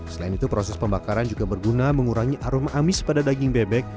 selain itu proses pembakaran juga berguna mengurangi aroma amis pada daging bebek